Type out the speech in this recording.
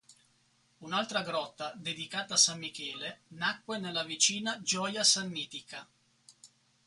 Un'altra grotta dedicata a san Michele nacque nella vicina Gioia Sannitica.